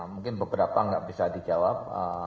mungkin beberapa nggak bisa dijawab